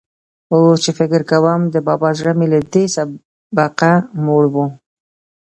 اوس چې فکر کوم، د بابا زړه مې له دې سبقه موړ و.